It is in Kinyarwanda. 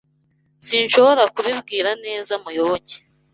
Sinshobora kubibwira neza Muyoboke.